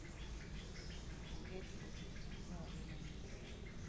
Onget oseti dwarore manyien.